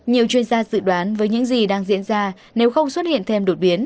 nhiều chuyên gia dự đoán với những gì đang diễn ra nếu không xuất hiện thêm đột biến